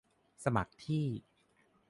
สมัครที่